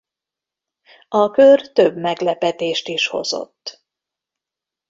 A kör több meglepetést is hozott.